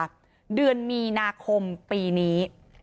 ที่วันนาคมปีนี้